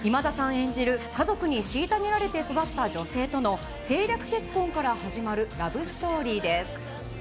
演じる家族にしいたげられて育った女性との、政略結婚から始まるラブストーリーです。